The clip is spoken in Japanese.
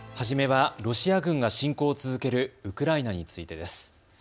初めはロシア軍が侵攻を続けるウクライナについてです。